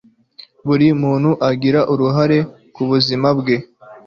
buri muntu agira uruhare ku buzima bwe